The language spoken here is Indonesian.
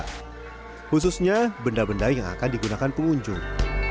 khususnya benda benda yang akan digunakan pengunjung